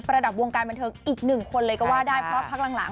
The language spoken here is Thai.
ระดับวงการบันเทิงอีกหนึ่งคนเลยก็ว่าได้เพราะพักหลังหลัง